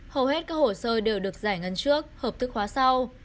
hầu hết các hồ sơ đều được giải ngân trước hợp thức hóa sau